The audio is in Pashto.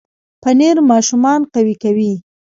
پنېر ماشومان قوي کوي.